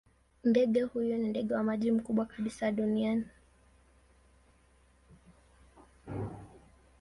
Ndege huyo ni ndege wa maji mkubwa kabisa duniani.